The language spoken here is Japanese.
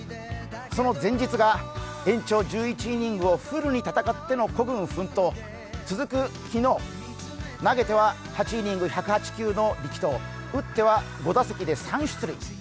その前日が延長１１イニングをフルに戦っての孤軍奮闘、続く昨日、投げては８イニング１０８球の激投打っては５打席で３出塁。